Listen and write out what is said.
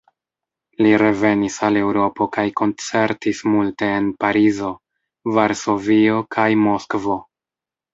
Li revenis al Eŭropo kaj koncertis multe en Parizo, Varsovio kaj Moskvo.